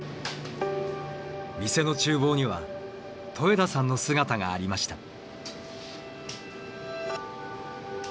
店の厨房には戸枝さんの姿がありました。